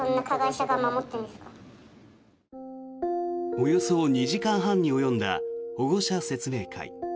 およそ２時間半に及んだ保護者説明会。